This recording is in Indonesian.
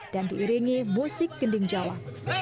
dan diiringi musik gending jawa